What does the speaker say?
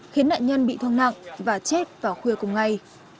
khiến nạn nhân bị thương nặng và chết vào khuya cùng ngày